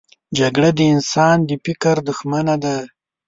جګړه د انسان د فکر دښمنه ده